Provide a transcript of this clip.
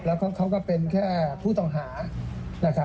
แล้วก็เขาก็เป็นแค่ผู้ต่อหา